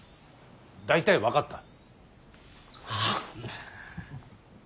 大体分かった。